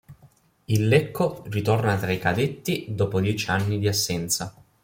Il Lecco ritorna tra i cadetti dopo dieci anni di assenza.